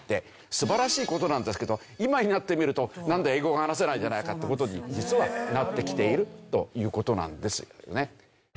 素晴らしい事なんですけど今になってみるとなんだ英語が話せないじゃないかって事に実はなってきているという事なんですよね。